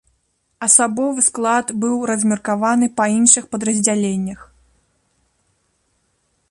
Асабовы склад быў размеркаваны па іншых падраздзяленнях.